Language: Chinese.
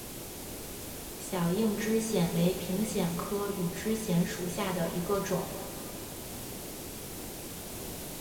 小硬枝藓为平藓科羽枝藓属下的一个种。